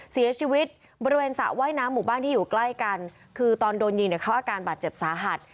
เสียชีวิตบริเวณสระว่ายน้ำหมู่บ้านที่อยู่ใกล้กันคือตอนโดนยิงเนี่ยเขาอาการบาดเจ็บสาหัส